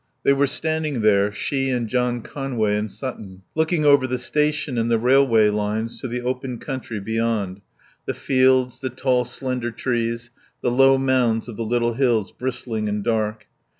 They were standing there, she and John Conway and Sutton, looking over the station and the railway lines to the open country beyond: the fields, the tall slender trees, the low mounds of the little hills, bristling and dark.